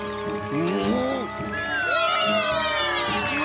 うわ！